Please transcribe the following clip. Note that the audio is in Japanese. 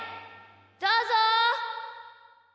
どうぞ！